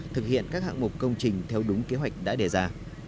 thực hiện các hạng mục công trình theo đúng kế hoạch đã đề ra